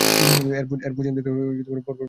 এর পশ্চিম দিকে পরপর দুটি কক্ষ।